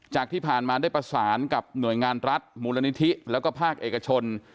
จากที่ผ่านมาได้ประสานกับหน่วยงานรัฐมูลนิธิแล้วก็ภาคเอกชน